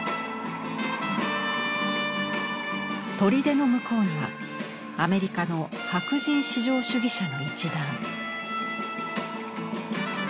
砦の向こうにはアメリカの白人至上主義者の一団。